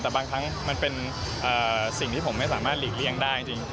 แต่บางครั้งมันเป็นสิ่งที่ผมไม่สามารถหลีกเลี่ยงได้จริง